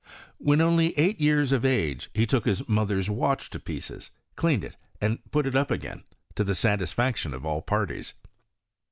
When only eight years of stge, he took his mother's watch to pieces, cleaned it, and put it up again to the satbfaction of adl parties.